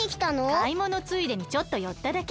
かいものついでにちょっとよっただけ。